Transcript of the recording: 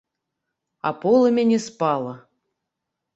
А полымя не спала.